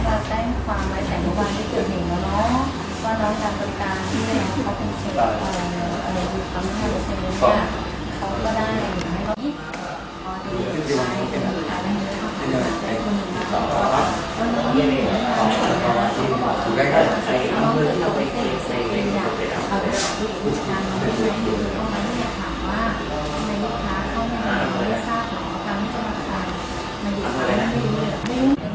แล้วก็นิวสารในคนที่มีคิดประกอบเฉลี่ยระบบ